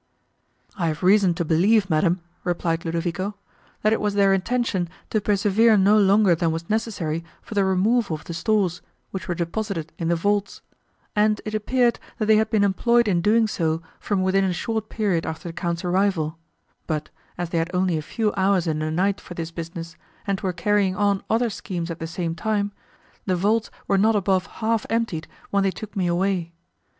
"I have reason to believe, madam," replied Ludovico, "that it was their intention to persevere no longer than was necessary for the removal of the stores, which were deposited in the vaults; and it appeared, that they had been employed in doing so from within a short period after the Count's arrival; but, as they had only a few hours in the night for this business, and were carrying on other schemes at the same time, the vaults were not above half emptied, when they took me away.